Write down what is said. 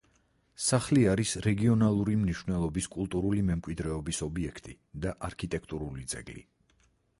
სახლი არის რეგიონალური მნიშვნელობის კულტურული მემკვიდრეობის ობიექტი და არქიტექტურული ძეგლი.